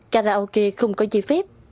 karaoke không có dây phép